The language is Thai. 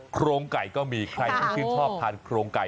โครงไก่ก็มีใครที่ชื่นชอบทานโครงไก่